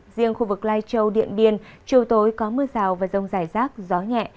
riêng khu vực lai châu điện biên chiều tối có mưa rào và rông rải rác gió nhẹ